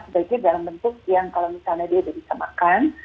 sebaiknya dalam bentuk yang kalau misalnya dia bisa makan